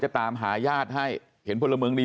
แล้วตามหายาดของแม่ลูกคู่นี้